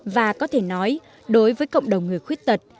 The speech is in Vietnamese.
và có thể nói đối với cộng đồng người khuyết tật